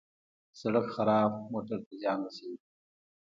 سړک خراب موټر ته زیان رسوي.